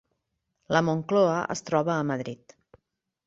La Moncloa es troba a Madrid.